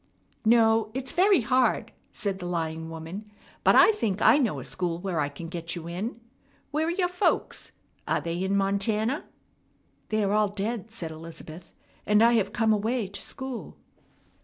"No, it's very hard," said the lying woman; "but I think I know a school where I can get you in. Where are your folks? Are they in Montana?" "They are all dead," said Elizabeth, "and I have come away to school."